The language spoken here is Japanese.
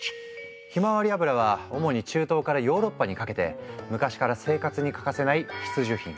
ひまわり油は主に中東からヨーロッパにかけて昔から生活に欠かせない必需品。